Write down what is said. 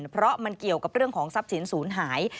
เพราะมันเกี่ยวกับเรื่องของทรัพย์สินศูนย์หาย